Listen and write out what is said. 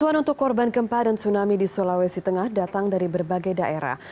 bantuan untuk korban gempa dan tsunami di sulawesi tengah datang dari berbagai daerah